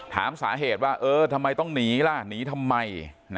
ถามสาเหตุว่าเออทำไมต้องหนีล่ะหนีทำไม